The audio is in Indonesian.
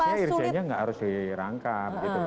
namanya irjennya tidak harus dirangkap